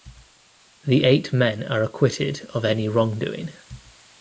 The eight men are acquitted of any wrongdoing.